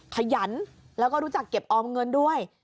ขยันแล้วก็รู้จักเก็บออมเงินด้วย